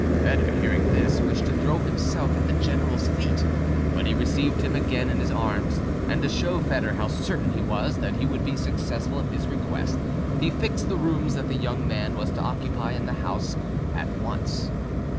Foedor hearing this wished to throw himself at the general's feet, but he received him again in his arms, and to show Foedor how certain he was that he would be successful in his request, he fixed the rooms that the young man was to occupy in the house at once.